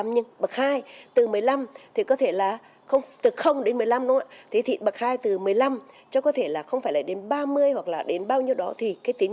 nhưng bậc hai từ đến một mươi năm thì bậc hai từ một mươi năm cho có thể là không phải là đến ba mươi hoặc là đến bao nhiêu đó thì cái tính